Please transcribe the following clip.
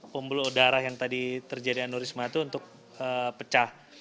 pembuluh darah yang tadi terjadi aniorisma itu untuk pecah